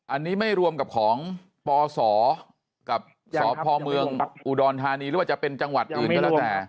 อันนี้ไม่รวมกับของปศกับสพเมืองอุดรธานีหรือว่าจะเป็นจังหวัดอื่นก็แล้วแต่